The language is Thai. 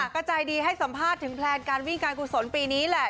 ก็ใจดีให้สัมภาษณ์ถึงแพลนการวิ่งการกุศลปีนี้แหละ